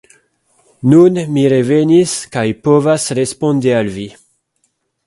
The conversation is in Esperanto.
Nun mi revenis kaj povas respondi al vi.